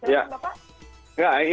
ya ini potluck seperti biasa ya